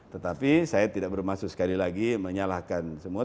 tetapi saya tidak bermaksud sekali lagi menyalahkan semua